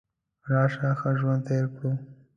راشه ښه ژوند تیر کړو .